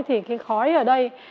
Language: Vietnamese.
thì cái khói ở đây